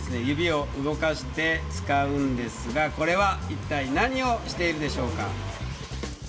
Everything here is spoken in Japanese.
指を動かして使うんですがこれは一体何をしているでしょうか？